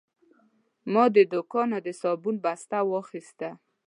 ما له دوکانه د صابون بسته واخیسته.